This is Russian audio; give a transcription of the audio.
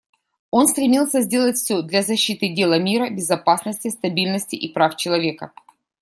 Он стремился сделать все для защиты дела мира, безопасности, стабильности и прав человека.